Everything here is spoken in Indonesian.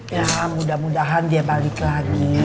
ya mudah mudahan dia balik lagi